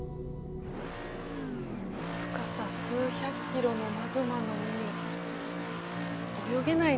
深さ数百キロのマグマの海泳げないね。